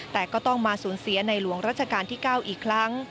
แต่ก็ต้องมาสูญเสียในหลวงรัชกาลที่๙อีกครั้ง